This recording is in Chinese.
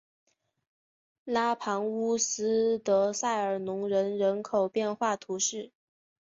拉庞乌斯德塞尔农人口变化图示